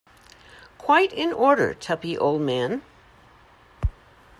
Quite in order, Tuppy, old man.